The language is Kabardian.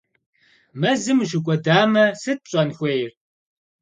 Мэзым ущыкӏуэдамэ, сыт пщӏэн хуейр?